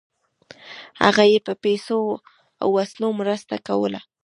هغه یې په پیسو او وسلو مرسته کوله.